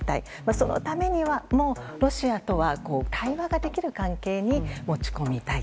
そのためには、ロシアとは対話ができる関係に持ち込みたい。